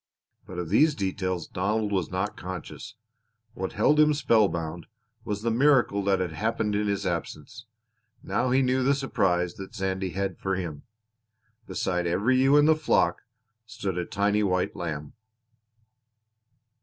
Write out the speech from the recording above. But of these details Donald was not conscious. What held him spellbound was the miracle that had happened in his absence. Now he knew the surprise that Sandy had for him! Beside every ewe in the flock stood a tiny white lamb!